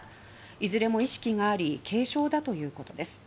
いずれも意識があり軽症だということです。